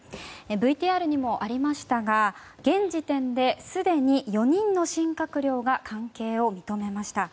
ＶＴＲにもありましたが現時点ですでに４人の新閣僚が関係を認めました。